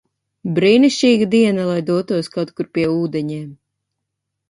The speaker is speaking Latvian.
Brīnišķīga diena, lai dotos kaut kur pie ūdeņiem!